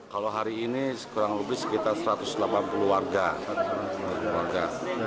kalau hari ini kurang lebih sekitar satu ratus delapan puluh warga